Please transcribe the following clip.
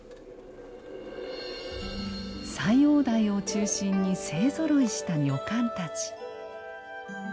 斎王代を中心に勢ぞろいした女官たち。